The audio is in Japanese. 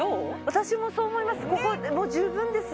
私もそう思います